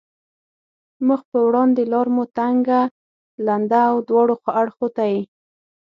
مخ په وړاندې لار مو تنګه، لنده او دواړو اړخو ته یې.